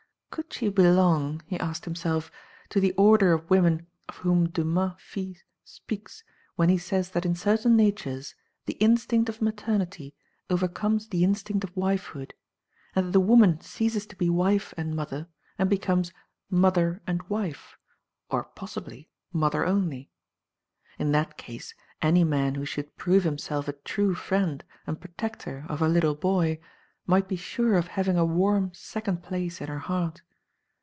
Could she belong, he asked himself, to the order of women of whom Dumas, filSy speaks, when he says that in certain natures the instinct of maternity overcomes the instinct of wifehood, and that the woman ceases to be wife and mother, and becomes mother and wife, or possibly mother only? In that case any man who should prove himself a true friend and pro tector of her little boy might be sure of having a warm second place in her heart.